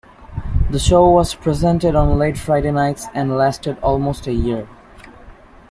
The show was presented on late Friday nights, and lasted almost a year.